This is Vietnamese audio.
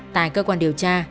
tại cơ quan điều tra